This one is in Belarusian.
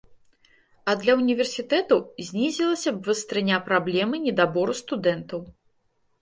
А для ўніверсітэтаў знізілася б вастрыня праблемы недабору студэнтаў.